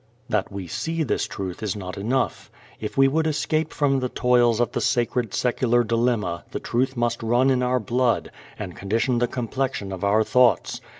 That we see this truth is not enough. If we would escape from the toils of the sacred secular dilemma the truth must "run in our blood" and condition the complexion of our thoughts.